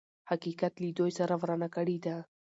حقيقت له دوی سره ورانه کړې ده.